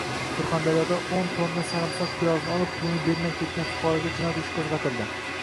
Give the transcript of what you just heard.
Surxondaryodao´ntonna sarimsoq piyozni olib, pulini bermay ketgan fuqaroga jinoyat ishi qo‘zg‘atildi